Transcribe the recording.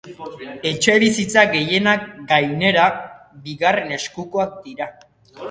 Etxebizitza gehienak, gainera, bigarren eskukoak dira.